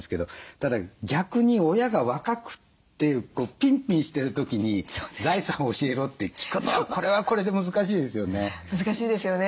ただ逆に親が若くてピンピンしてる時に財産を教えろって聞くのはこれはこれで難しいですよね。